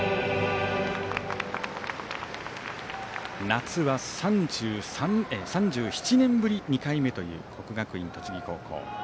夏は３７年ぶり２回目という国学院栃木高校。